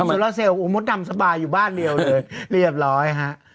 โซลาเซลลูมดดำสบายอยู่บ้านเดียวเลยเรียบร้อยฮะ